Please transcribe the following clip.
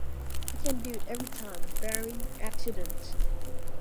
I can do it every time, barring accidents.